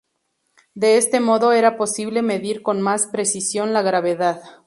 De este modo era posible medir con más precisión la gravedad.